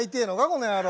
この野郎。